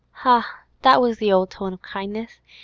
Ha! that was the old tone of kindness!